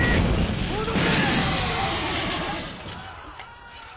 戻せ！